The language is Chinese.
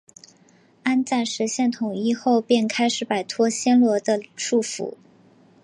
安赞实现统一后便开始摆脱暹罗的束缚。